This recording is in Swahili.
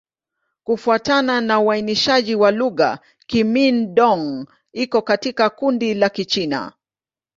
Kufuatana na uainishaji wa lugha, Kimin-Dong iko katika kundi la Kichina.